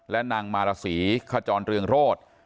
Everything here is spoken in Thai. และนางมารสีขจรเรืองโรธ